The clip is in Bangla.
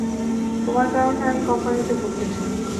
তোমার কারণে আমার কোম্পানি ভুগতেছে?